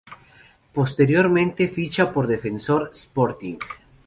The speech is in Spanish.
Posteriormente ficha por Defensor Sporting.